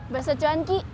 basah cuan ki